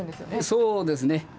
そうですね。